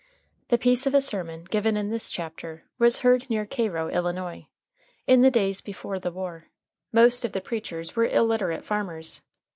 The piece of a sermon given in this chapter was heard near Cairo, Illinois, in the days before the war. Most of the preachers were illiterate farmers.